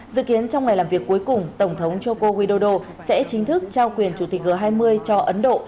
dự kiến trong ngày làm việc cuối cùng tổng thống joko widodo sẽ chính thức trao quyền chủ tịch g hai mươi cho ấn độ